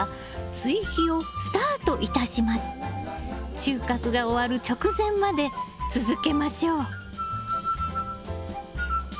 収穫が終わる直前まで続けましょう。